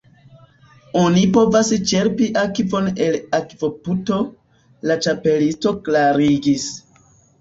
"Oni povas ĉerpi akvon el akvoputo," la Ĉapelisto klarigis.